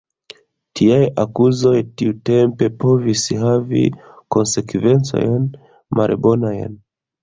Tiaj akuzoj tiutempe povis havi konsekvencojn malbonajn.